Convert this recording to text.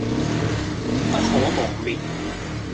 不可磨滅